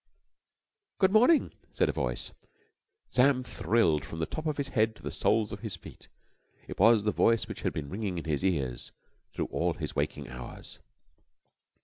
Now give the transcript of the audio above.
"Good morning," said a voice. Sam thrilled from the top of his head to the soles of his feet. It was the voice which had been ringing in his ears through all his waking hours.